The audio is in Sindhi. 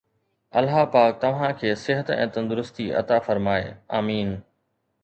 الله پاڪ توهان کي صحت ۽ تندرستي عطا فرمائي، آمين